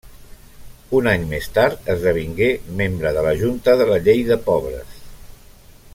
Un any més tard, esdevingué membre de la Junta de la Llei de Pobres.